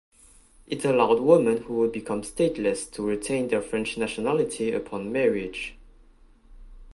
It allowed women who would become stateless to retain their French nationality upon marriage.